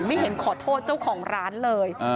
ไม่เห็นขอโทษเจ้าของร้านเลย